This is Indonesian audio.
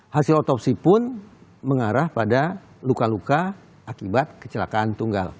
hasil otopsi pun mengarah pada luka luka akibat kecelakaan tunggal